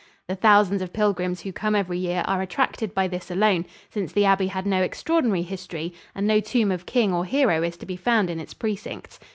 The thousands of pilgrims who come every year are attracted by this alone, since the abbey had no extraordinary history and no tomb of king or hero is to be found in its precincts.